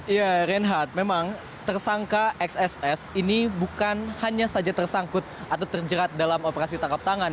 ya reinhardt memang tersangka xss ini bukan hanya saja tersangkut atau terjerat dalam operasi tangkap tangan